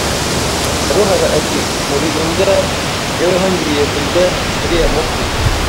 Saruhara iti muri imbwa Jyeweho ngiye kurya uriya mupfu